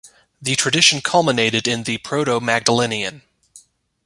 The tradition culminated in the proto-Magdalenian.